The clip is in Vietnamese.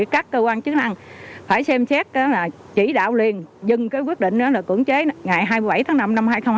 các cơ quan chức năng phải xem xét chỉ đạo liền dừng quyết định cưỡng chế ngày hai mươi bảy tháng năm năm hai nghìn hai mươi